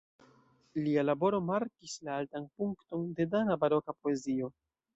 Lia laboro markis la altan punkton de dana baroka poezio.